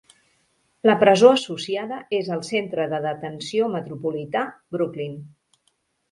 La presó associada és el Centre de Detenció Metropolità, Brooklyn.